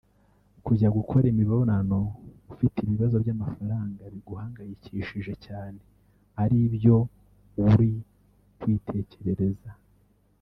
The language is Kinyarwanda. Kujya gukora imibonano ufite ibibazo by’amafaranga biguhangayikishije cyane ( ari byo uru kwitekerereza)